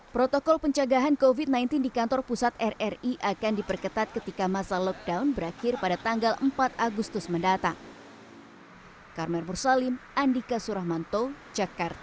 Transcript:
protokol pencegahan covid sembilan belas di kantor pusat rri akan diperketat ketika masa lockdown berakhir pada tanggal empat agustus mendatang